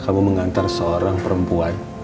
kamu mengantar seorang perempuan